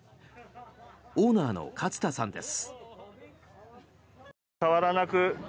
オーナーの勝田さんです。